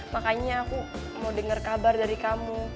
makanya aku mau dengar kabar dari kamu